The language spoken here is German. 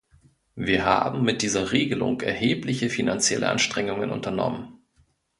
Wir haben mit dieser Regelung erhebliche finanzielle Anstrengungen unternommen.